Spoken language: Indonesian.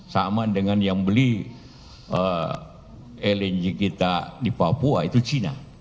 sama dengan yang beli lng kita di papua itu cina